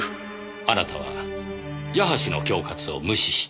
あなたは矢橋の恐喝を無視した。